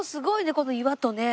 この岩とね。